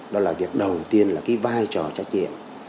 đó là việc đầu tiên là cái vai trò trách nhiệm